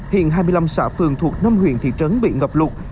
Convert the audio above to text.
hiện hai mươi năm xã phường thuộc năm huyện thị trấn bị ngập lụt